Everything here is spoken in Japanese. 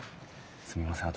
すみません